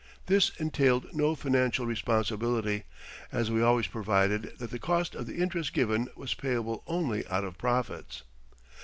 This entailed no financial responsibility, as we always provided that the cost of the interest given was payable only out of profits.